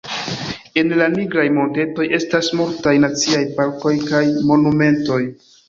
En la Nigraj Montetoj estas multaj naciaj parkoj kaj monumentoj.